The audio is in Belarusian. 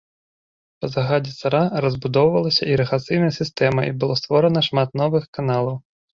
Па загадзе цара разбудоўвалася ірыгацыйная сістэма і было створана шмат новых каналаў.